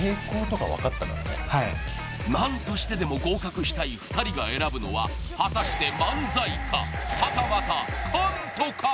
なるほど何としてでも合格したい２人が選ぶのは果たして漫才かはたまたコントか？